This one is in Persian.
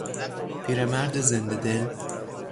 پیرمرد زنده دل